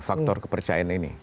faktor kepercayaan ini